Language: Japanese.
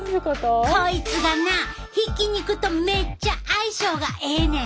こいつがなひき肉とめっちゃ相性がええねん！